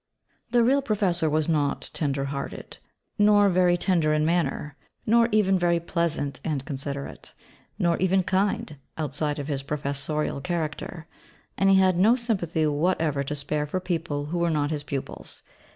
The real Professor was not tender hearted; nor very tender in manner; nor even very pleasant and considerate; nor even kind, outside of his professorial character: and he had no sympathy whatever to spare for people who were not his pupils.